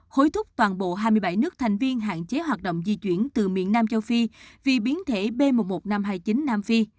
hối thúc toàn bộ hai mươi bảy nước thành viên hạn chế hoạt động di chuyển từ miền nam châu phi vì biến thể b một mươi một nghìn năm trăm hai mươi chín nam phi